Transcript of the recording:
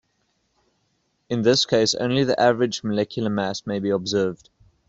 In this case only the average molecular mass may be observed.